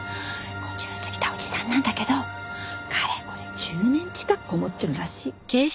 ５０過ぎたおじさんなんだけどかれこれ１０年近くこもってるらしい。